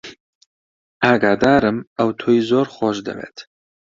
ئاگادارم ئەو تۆی زۆر خۆش دەوێت.